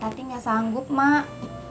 tati gak sanggup mah